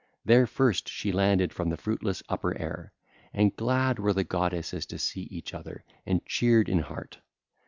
There first she landed from the fruitless upper air: and glad were the goddesses to see each other and cheered in heart.